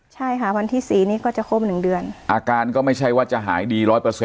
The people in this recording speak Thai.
ใช่ค่ะวันที่๔นี้ก็จะครบ๑เดือนอาการก็ไม่ใช่ว่าจะหายดีร้อยเปอร์เซ็